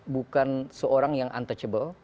bukan seorang yang untouchable